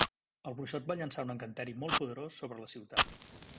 El bruixot va llançar un encanteri molt poderós sobre la ciutat.